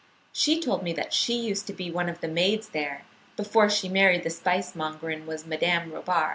She told me that she used to be one of the maids there, before she married the spice monger and was Madame Robard.